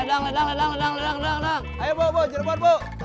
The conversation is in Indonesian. jangan lupa mencoba